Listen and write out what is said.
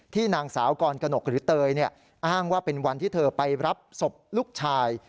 นางสาวกรกนกหรือเตยอ้างว่าเป็นวันที่เธอไปรับศพลูกชาย